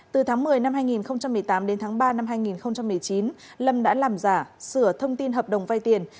từ tháng một mươi năm hai nghìn một mươi tám đến tháng ba năm hai nghìn một mươi chín lâm đã làm giả sửa thông tin hợp đồng vay tiền